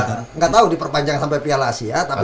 nggak tau diperpanjang sampai piala asia